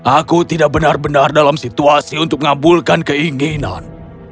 aku tidak benar benar dalam situasi untuk mengabulkan keinginan